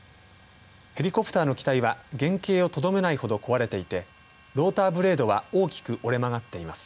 ヘリコプターの機体は原型をとどめないほど壊れていてローターブレードは大きく折れ曲がっています。